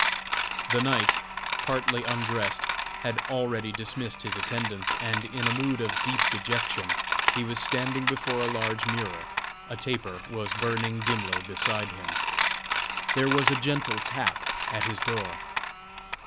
The knight, partly undressed, had already dismissed his attendants, and in a mood of deep dejection he was standing before a large mirror; a taper was burning dimly beside him. There was a gentle tap at his door.